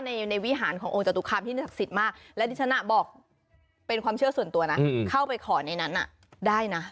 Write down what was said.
ในวิหารขององค์จตุคามที่ศักดิ์สิทธิ์มากและดิฉันบอกเป็นความเชื่อส่วนตัวนะเข้าไปขอในนั้นได้นะ